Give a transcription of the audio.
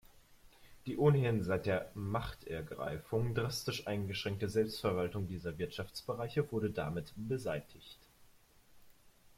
Die ohnehin seit der „Machtergreifung“ drastisch eingeschränkte Selbstverwaltung dieser Wirtschaftsbereiche wurde damit beseitigt.